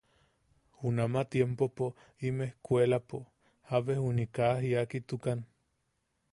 Junama tiempopo im ejkkuelapo jabe juni kaa jiakitukan.